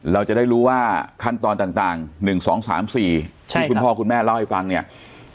เราจะได้รู้ว่าขั้นตอนต่าง๑๒๓๔ที่คุณพ่อคุณแม่เล่าให้ฟังเนี่ย